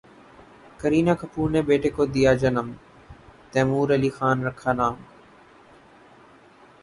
کرینہ کپور نے بیٹے کو دیا جنم، تیمور علی خان رکھا نام